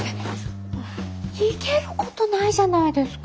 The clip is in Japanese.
逃げることないじゃないですか。